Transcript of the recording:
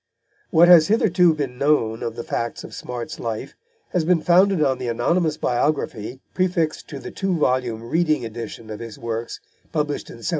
What has hitherto been known of the facts of Smart's life has been founded on the anonymous biography prefixed to the two volume Reading edition of his works, published in 1791.